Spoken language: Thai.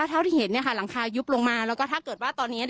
เท่าที่เห็นหลังคายุบลงมาแล้วก็ถ้าเกิดว่าตอนนี้